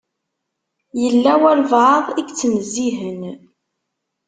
Yella walebɛaḍ i yettnezzihen.